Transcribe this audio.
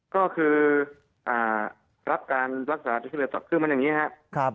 ก็คือรับการรักษาที่แบบคือมันอย่างนี้ครับ